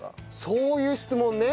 そういう質問ね。